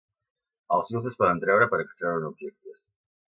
Els fils es poden treure per extreure'n objectes.